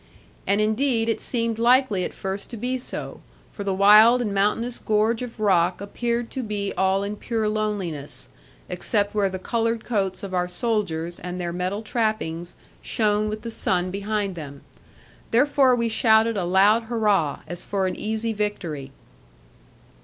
And indeed it seemed likely at first to be so, for the wild and mountainous gorge of rock appeared to be all in pure loneliness, except where the coloured coats of our soldiers, and their metal trappings, shone with the sun behind them. Therefore we shouted a loud hurrah, as for an easy victory.